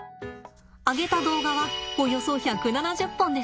上げた動画はおよそ１７０本です。